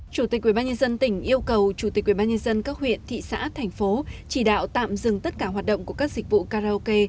chủ tịch ubnd tỉnh yêu cầu chủ tịch ubnd các huyện thị xã thành phố chỉ đạo tạm dừng tất cả hoạt động của các dịch vụ karaoke